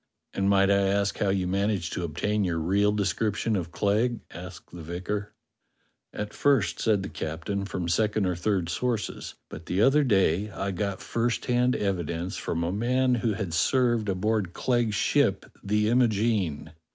"And might I ask how you managed to obtain your real description of Clegg .f^" asked the vicar. "At first," said the captain, "from second or third sources; but the other day I got first hand evidence from a man who had served aboard Clegg's ship, the Imogene.